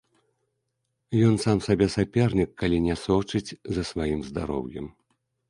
Ён сам сабе сапернік, калі не сочыць за сваім здароўем.